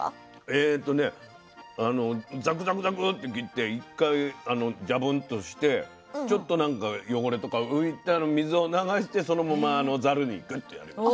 えとねあのザクザクザクって切って一回ジャブンとしてちょっとなんか汚れとか浮いたの水を流してそのままざるにグッとやります。